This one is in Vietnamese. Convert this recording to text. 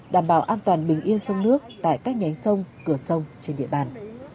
đảm bảo an toàn bình yên sông nước tại các nhánh sông cửa sông trên địa bàn